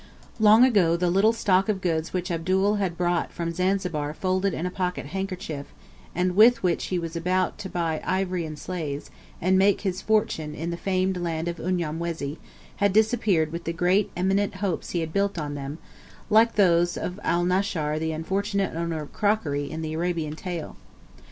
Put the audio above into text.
Long ago the little stock of goods which Abdul had brought from Zanzibar folded in a pocket handkerchief, and with which he was about to buy ivory and slaves, and make his fortune in the famed land of Unyamwezi, had disappeared with the great eminent hopes he had built on them, like those of Alnaschar the unfortunate owner of crockery in the Arabian tale.